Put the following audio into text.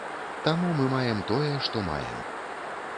Таму мы маем тое, што маем.